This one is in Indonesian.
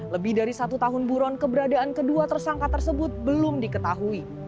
lebih dari satu tahun buron keberadaan kedua tersangka tersebut belum diketahui